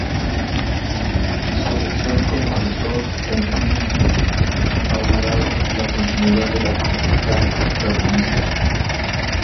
Su elección como sucesor, en fin, auguraba la continuidad de la política cardenista.